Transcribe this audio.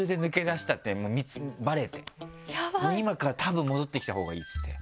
「今からたぶん戻ってきたほうがいい」っつって。